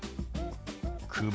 「久保」。